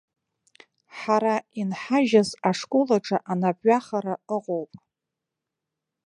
Ҳара инҳажьыз ашкол аҿы анапҩахара ыҟоуп.